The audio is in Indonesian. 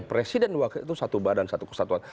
presiden waktu itu satu badan satu kesatuan